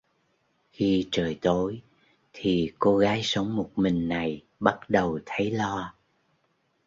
Khi trời tối thì cô gái sống một mình này bắt đầu thấy lo